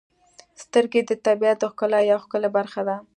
• سترګې د طبیعت د ښکلا یو ښکلی برخه ده.